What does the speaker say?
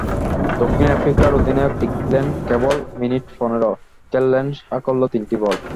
দক্ষিণ আফ্রিকার অধিনায়ক টিকলেন কেবল মিনিট পনেরো, খেললেন সাকল্যে তিনটি বল।